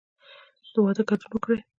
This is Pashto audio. د واده ګډون وکړئ